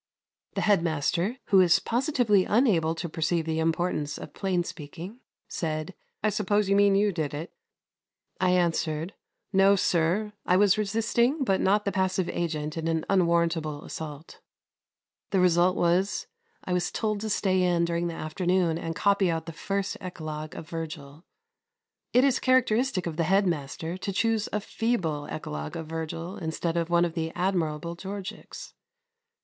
The head master, who is positively unable to perceive the importance of plain speaking, said, "I suppose you mean you did it." I answered, "No, sir; I was the resisting but not the passive agent in an unwarrantable assault." The result was I was told to stay in during the afternoon and copy out the First Eclogue of Virgil. It is characteristic of the head master to choose a feeble Eclogue of Virgil instead of one of the admirable Georgics.